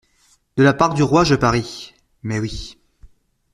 De la part du roi, je parie ? Mais oui.